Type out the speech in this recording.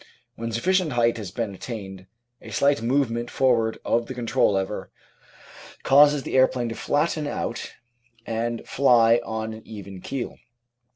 When sufficient height has been attained, a slight movement for ward of the control lever causes the aeroplane to flatten out and fly on an even keel.